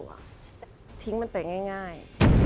แต่ทิ้งมันไปง่าย